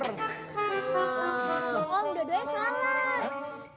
hah om dua duanya salah